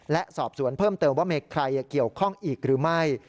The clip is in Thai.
และสอบสวนเพิ่มเติมว่ามีใครเกี่ยวข้องอีกหรือไม่